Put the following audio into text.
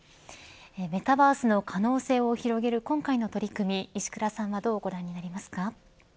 メタバースの可能性を広げる今回の取り組み石倉さんはどうご覧になりますか。